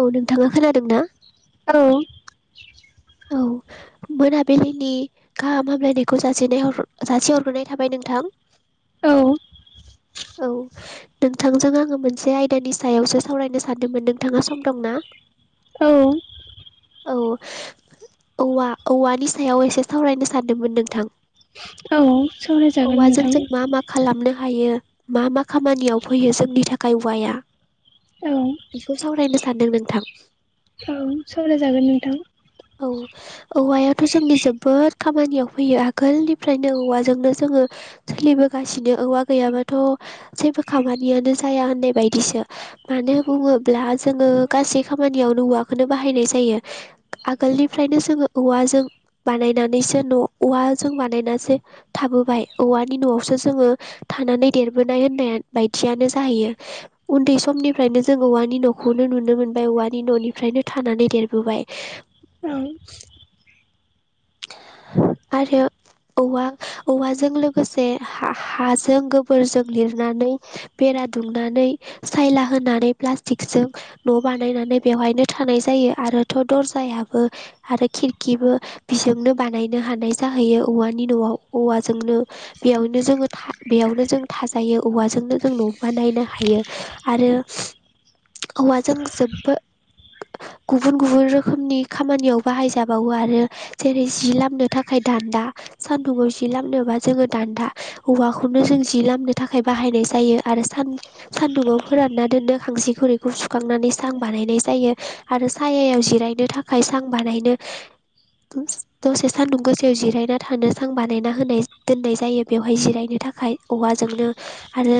औ नोंथाङा खोनादों ना? नोंथां औ। [inaudible] मोनाबिलिनि गाहाम हामलाय नायखौ जासिनाय जासि हरग्रोनाय थाबाय नोंथां। औ औ। नोंथांजों आङो मोनसे आयदानि सायावसो सावरायनो सानदोंमोन नोंथाङा सम दं ना? औ। औ। औवा औवानि सायाव एसे सावरायनो सानदोंमोन नोंथां। औ सावरायजागोन औवाजों नोंथां जों मा मा खालामनो हायो। मा मा खामानियाव फैयो जोंनि थाखाय औवाया औ बिखौ सावरायनो सानदों नोंथां। सावराय जागोन नोंथां। औ औवायाथ' जोंनि जोबोद खामानियाव फैयो आगोल निफ्रायनो औवाजोंनो जोङो सोलि बोगासिनो औवा गैयाबाथ' जेबो खामानियानो जाया होननाय बायदिसो मानो बुङोब्ला जोङो गासै खा मानियावनो औवाखौनो बाहायनाय जायो आगोलनि फ्रायनो जोङो औवाजों बानायनानैसो न' औवाजों बानायनासो थाबोबाय औवानि न'आवसो जोङो थानानै देरबोनाय होननाय बायदियानो जाहैयो उन्दै समनिफ्रायनो जों औवानि न'खौनो नुनो मोनबाय औवानि न'निफ्रायनो थानानै देरबोबाय औ आरो औवा औवाजों लोगोसे हा हा हाजों गोबोरजों लिरनानै बेरा दुंनानै सायला होनानै प्लास्टिक जों न' बानायनानै बेवहायनो थानाय जायो। आरोथ' दरजायाबो आरो खिरखिबो बेजोंनो बानायनो हानाय जाहैयो औवानि न'आव औवाजोंनो बेयावनो जोङो था बेयाव नो जों थाजायो औवाजोंनो जों न बानायनो हायो आरो औवाजों जोबो गुबुन गुबुन रोखोमनि खामानियाव बाहायजाबावो आरो जेरै जि लामनो थाखाय दान्दा सान्दुंआव जि लामनोबा जोङो दान्दा औवाखौनो जों जि लामनो थाखाय बाहायनाय जायो आरो सान सानदुंआव फोरानना दोननो खांसि खुरैखौ सुखांनानै सां बानायनाय जायो आरो सायायाव जिरायनो थाखाय सां बानायनो [inaudible] दसे सान्दुं गोसायाव जिरायना थानो सां बानायना होनाय दोननाय जायो बेवहाय जिरायनो थाखाय औवा जों नोंना आरो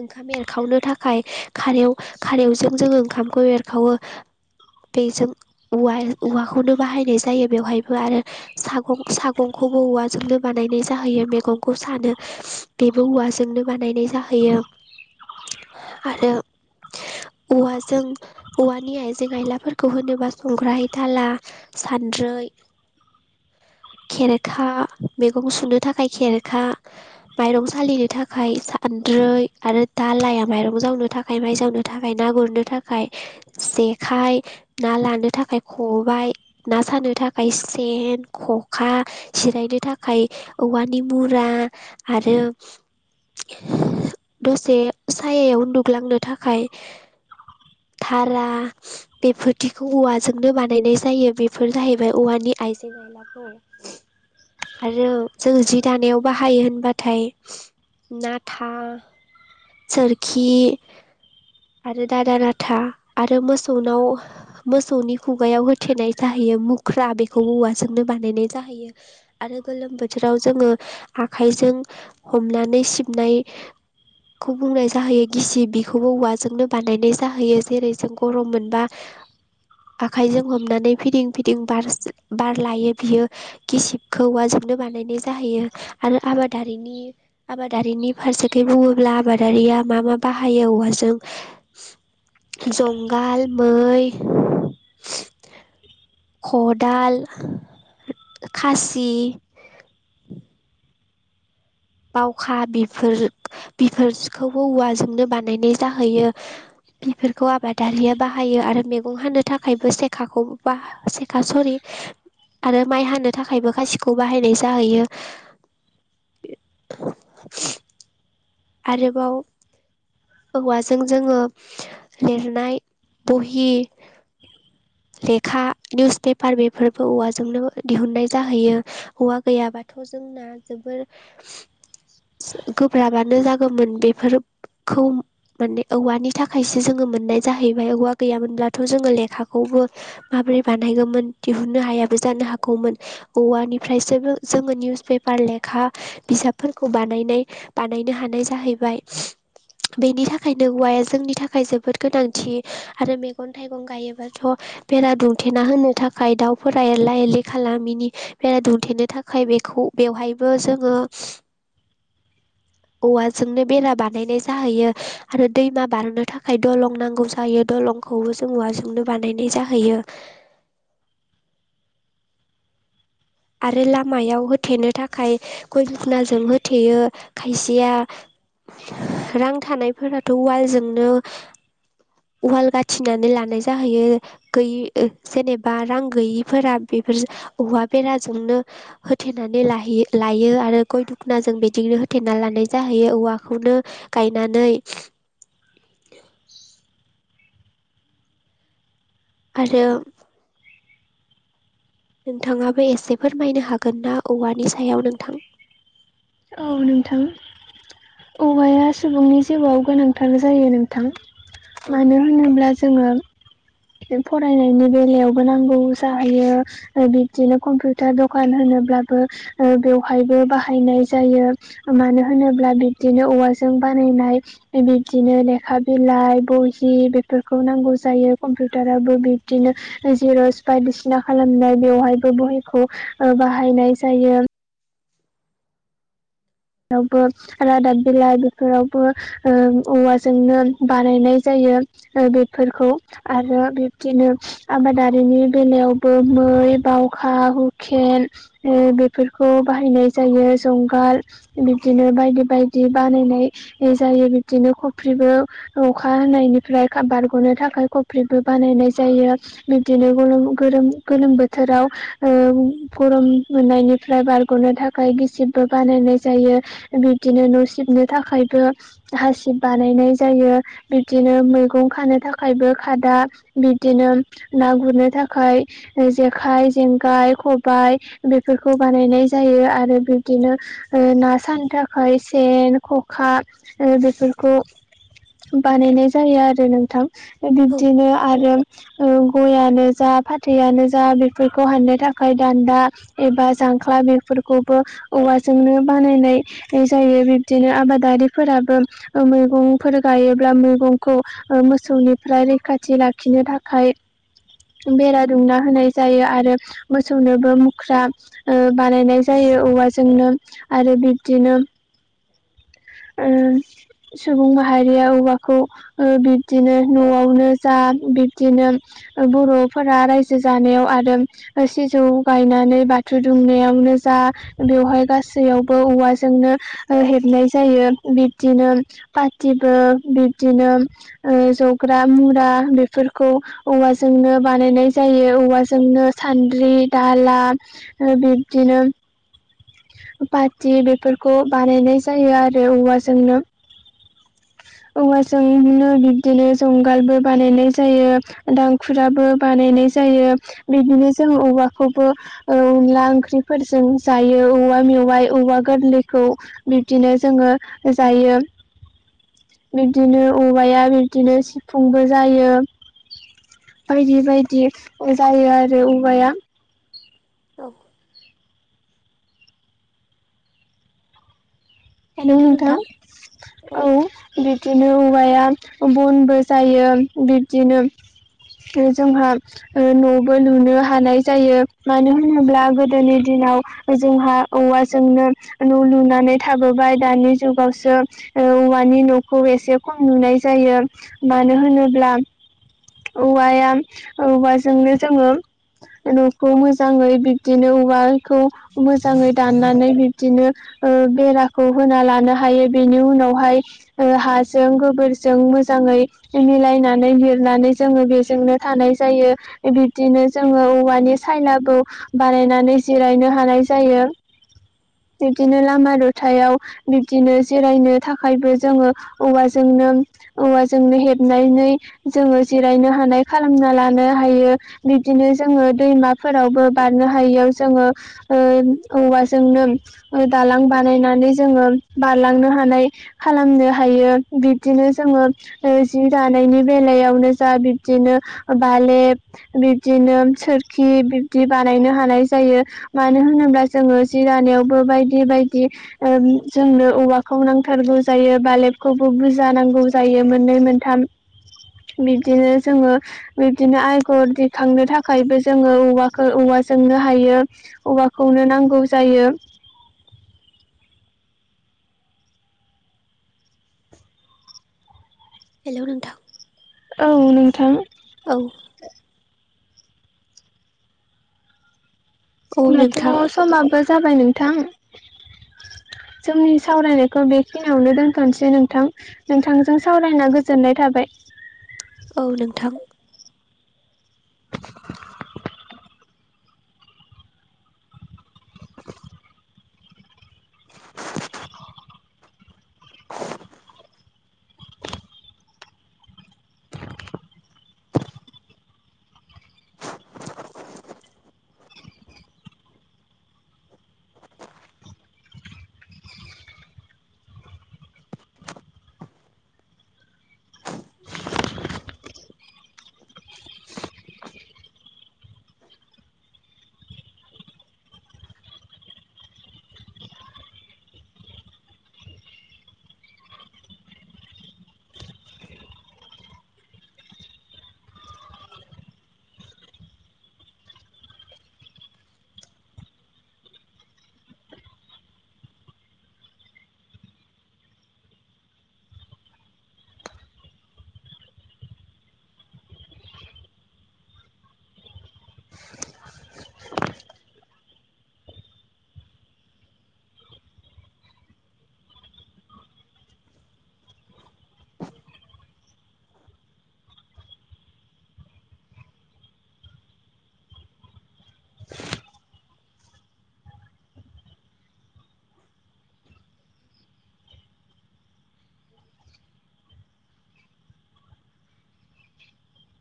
ओंखाम एरखावनो थाखाय खारेव खारेवजों जोङो ओंखामखौ एरखावो बेजों उवाल औवाखौनो बाहायनाय जायो बेवहायबो आरो सागं सागंखौबो औवाजोंनो बानायनाय जाहैयो मैगंखौ सानो बेबो औवाजोंनो बानायनाय जाहैयो आरो औवाजों औवानि आइजें आयलाफोरखौ होनोबा संग्रा थाला सानद्रै खेरेखा मैगं सुनो थाखाय खेरेखा माइरं सालिनो थाखाय सान द्रै आरो दालाया माइरं जावनो थाखाय माइ जावनो थाखाय ना गुरनो थाखाय जे खाय ना लानो थाखाय खबाय ना सारनो थाखाय सेन खखा जिरायनो थाखाय औवानि मुरा आरो दसे सायायाव उन्दुग्लांनो थाखाय थारा बेफोरदिखौ औवा जोंनो बानायनाय जायो बेफोर जाहैबाय औवानि आइजें आयलाफोर आरो जोंङो जि दानायाव बाहायो होनबाथाय नाथा सोरखि आरो दादा राथा आरो मोसौनाव मोसौनि खुगायाव होथेनाय जाहै बेयो मुख्रा बेखौ औवाजोंनो बानायनाय जाहैयो आरो गोलोम बोथोराव जोङो आखाइजों हमनानै सिबनाय खौ बुंनाय जाहैयो गिसि बेखौबो औवाजोंनो बानायनाय जाहैयो जेरै जों गरम मोनबा आखाइजों हमनानै फिदिं फिदिं बारस बार लायो बियो गिसिबखौ औवाजोंनो बानाय नायनाय जाहैयो आरो आबादारिनि आबादारिनि फारसेखै बुङो ब्ला आबादारिया मा मा बाहायो औवाजों जंगाल मै खदाल खासि बावखा बेफोर बेफोरखौबो औवाजोंनो बानायनाय जाहैयो बेफोरखौ आबादारिया बाहायो आरो मेगं हानो थाखायबो सेखाखौ बा सेखा सरि आरो माइ हानो थाखायबो गासिखौबो बाहायनाय जाहैयो आरोबाव औवाजों जोङो लिरनाय बहि लेखा निउस पेपार बेफोरबो औवाजोंनो दिहुननाय जाहैयो औवा गैयाबाथ' जों जोंना जोबोर गोब्राबानो जागौमोन बेफोर खौ। माने औवानि थाखायसो जोङो मोननाय जाहैबाय औवा गैयामोनब्लाथ' जोङो लेखाखौबो मा माबोरै बानायगौमोन दिहुननो हायाबो जानो हागौमोन औवानिफ्रायसो जों निउस पेपार लेखा बिजाबफोरखौ बानायनाय बानायनो हानाय जाहैबाय। बेनि थाखायनो औवाया जोंनि थाखाय जोबोद गोनांथि आरो मैगं थाइगं गायोबाथ' बेरा दुंमथेना होनो थाखाय दावफोरा एरला एरलि खालामिनि बेरा दुंथेनो थाखाय बेखौ बेवहायबो जोङो औवाजोंनो बेरा बानायनाय जा जाहैयो आरो दैमा बारनो थाखाय दलं नांगौ जायो दलंखौबो जों औवाजोंनो बानायनाय। जाहैयो। आरो लामायाव होथेनो थाखाय गय दुनायखजों होथेयो खायसेया। रां थानायफोराथ' वालजोंनो वाल गाथिनानै लानाय जाहैयो गैयि जेनेबा रां गैयिफोरा [inaudible] बेराजोंनो होथेनानै लाहैयो लायो आरो गय दखनाजों बिदिनो होथेना लानाय जायो। औवाखौनो गायनानै आरो। नोंथाङाबो एसे फोरमायनो हागोन ना औवानि सायाव नोंथां। औ नोंथां। औवाया सुबुंनि जिउआव गोनांथार जायो नोंथां। औ मानो होनोब्ला जोङो। [inaudible] फरायनायनि बेलायावबो नांगौ जाहैयो बिबदिनो कम्पिउटार दखान होनोब्ला बेवहायबो बाहायनाय। जायो मानो होनोब्ला बिबदिनो औवाजों बानायनाय बिबदिनो लेखा बिलाइ बहि बेफोरखौ नांगौ जायो कमपिउटाराबो बिबदिनो जेरस बायदिसिना खालामनाय बेवहायबो बहिखौ बाहायनाय जायो। बो रादाब बिलाइ बेफोरावबो औवाजोंनो बानायनाय जायो। बेफोरखौ आरो बिब्दिनो आबादारिनि बेलायावबो बावखा, हुकेन बेफोरखौ बाहायनाय जायो जुंगाल बिबदिनो बायदि बायदि बानायनाय जायो बिबदिनो खफ्रिबो अखा हानाय फ्राय बारग'नो थाखाय कफ्रिबो बानायनाय जायो बिदिनो गोलोम बोथोर बोथोराव गरम मोननायनिफ्राय बारग'नो थाखाय गिसिबबो बानायनाय जायो बिदिनो न' सिबनो थाखायबो हासिब बानायनाय जायो बिदिनो नो मैंग खानो थाखायबो खादा बिदिनो ना गुरनो थाखाय जेखाइ, जेंगाइ, खबाय बेफोरखौ बानायनाय जायो आरो बिब्दिनो ना सानो थाखाय सेन, ख'खा बेफोरखौ बानायनाय जायो आरो नोंथां बिब्दिनो आरो गयानो जा फाथैयानो जा बेफोरखौ हाननो थाखाय दान्दा एबा जांख्ला। बेफोरखौबो। बेजोंनो बानायनाय जायो। बिदिनो आबादारिफोराबो मैगं' फोर गायोब्ला मैगंखौ मोसौनिफ्राय रैखाथि लाखिनो थाखाय बेरा दुंमना होनाय जायो आरो मोसौनोबो मुख्रा बानायनाय जायो औवाजोंनो आरो बिब्दिनो उम। सुबुं माहारिया औवाखौ बिब्दिनो न'आवनो जा बिब्दिनो बर'फोरा रायजो जानायाव आरो सिजौ गायनानै बाथौ दुमनायावनो जा बेवहाय गासै जायगावबो औवाजोंनो हेबनाय जायो बिब्दिनो पाटिबो बि बिदिनो जग्रा मुरा बेफोरखौ औवाजोंनो बानायनाय जायो। औवाजोंनो सान्द्रि दाला ओ बिबदिनो पाटि बेफोरखौ बानायनाय जायो आरो औवाजोंनो [inaudible] औवाजोंनो बिबदिनो जुंगालबो बानायनाय जायो दांखुराबो बानायनाय जायो बिदिनो जों औवाखौबो ओ अनला ओंख्रिफोरजों जायो औवा मेवाइ औवा गोरलैखौ बिब्दिनो जोङो जायो बिब्दिनो औवाया बिब्दिनो सिफुंबो जायो बायदि बायदि जायो आरो औवाया [inaudible] हेल' नोंथां औ बिदिनो औ हौवाया बनबो जायो बिबदिनो जोंहा न'बो लुनो हानाय जायो मानो होनोब्ला गोदोनि दिन आव जोंहा औवाजोंनो न' लुनानै थाबोबाय दानि जुगावसो ओ औवानि न'खौ एसे खम नुनाय जायो मा नो होनोब्ला औवाया औवाजोंनो जोङो न'खौ मोजाङै बिब्दिनो औवाखौ मोजाङै दाननानै बिब्दिनो बेराखौ होना लानो हायो बेनि उनावहाय हाजों गोबोरजों मोजां मिलायनानै लिरनानै जोङो बेजोंनो थानाय जायो बिब्दिनो जोङो औवानि सानालाबो बानायनानै जिरायनो हानाय जायो। बिब्दिनो लामा द'थायाव बिब्दिनो जिरायनो थाखायबो जोङो औवाजों औवाजोंनो हेबनानै जोङो जिरायनो हानाय खालामना लानो हायो बिदिनो जोङो दैमाफोरावबो बारनो हायो। जोंओ ओ औवाजोंनो ओ दालां बानायनानै जोङो बारलांनो हानाय खालामनो हायो बिब्दिनो जोङो जि दानायनि बेलायावनो बिबदिनो बालेब बिबदिनो सोरखि बिबदि बानायनो हानाय जायो। मानो होनोब्ला जोङो जिरानायावबो बायदि बायदि ओ जोंनो औवाखौ नांथारगौ जायो बालेबखौबो बुरजा नांगौ जायो मोननै मोनथाम [inaudible] बिबदिनो जोङो बिब्दिनो आगर दिखांनो थाखायबो जोङो औवाखौ औवाजोंनो बाहायो औवाखौनो नांगौ जायो [inaudible] हेल' नोंथां औ नोंथां औ औ जोंनाथ' नोंथां समाबो जाबाय नोंथां। [inaudible] जोंनि सावरायनायखौ बेखिनियावनो दोनथ'नोसै नोंथां नोंथांजों सावरायना गोजोननाय थाबाय। [inaudible] औ नोंथां [inaudible] [inaudible] [inaudible]